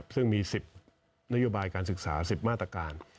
ซึ่งมี๑๐นโยบายการศึกษา๑๐มาตรการ